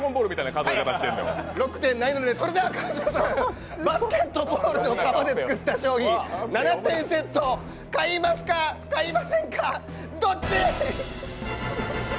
それではバスケットボールの革で作った商品７点セット、買いますか、買いませんか、どっち？